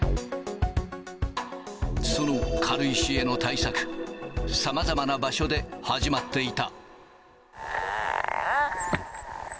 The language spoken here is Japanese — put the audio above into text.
その軽石への対策、さまざまな場所で始まっていた。